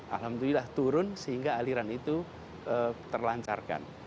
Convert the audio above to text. alhamdulillah turun sehingga aliran itu terlancarkan